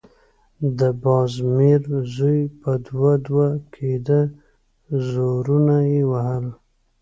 د بازمير زوی په دوه_ دوه کېده، زورونه يې وهل…